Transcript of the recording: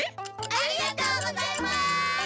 ありがとうございます！